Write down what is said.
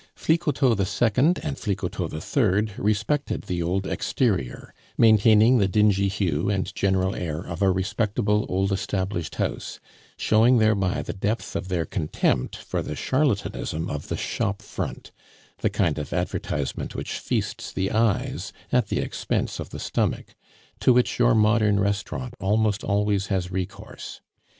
Flicoteaux II. and Flicoteaux III. respected the old exterior, maintaining the dingy hue and general air of a respectable, old established house, showing thereby the depth of their contempt for the charlatanism of the shop front, the kind of advertisement which feasts the eyes at the expense of the stomach, to which your modern restaurant almost always has recourse.